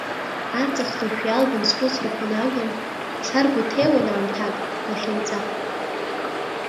Аҵх лашә иалган схәыцрақәа наган, саргәаҭеиуан аамҭак, лахьынҵак…